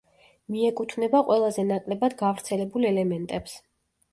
მიეკუთვნება ყველაზე ნაკლებად გავრცელებულ ელემენტებს.